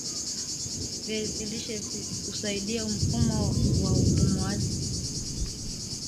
viazi lishe husaidia mfumo wa upumuaji